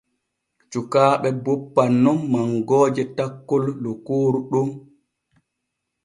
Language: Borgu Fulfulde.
Cukaaɓe boppan nun mangooje takkol lokooru ɗon.